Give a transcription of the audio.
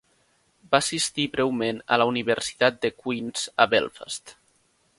Va assistir breument a la universitat de Queens a Belfast.